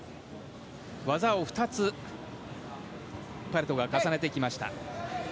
技を２つパレトが重ねてきました。